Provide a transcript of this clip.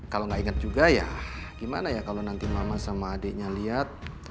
kalo gak inget juga ya gimana ya kalo nanti mama sama adiknya liat